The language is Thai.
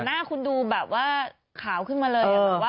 หน้าคุณดูแบบว่าขาวขึ้นมาเลย